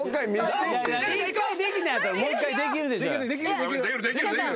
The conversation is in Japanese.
一回できたんやったらもう一回できるでしょ。